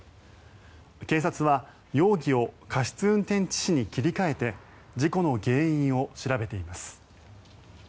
警察は、容疑を過失運転致死に切り替えて事故の原因を調べています。